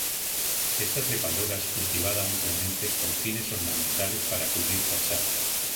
Esta trepadora es cultivada ampliamente con fines ornamentales para cubrir fachadas.